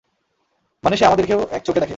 মানে সে আমাদেরকেও এক চোখে দেখে।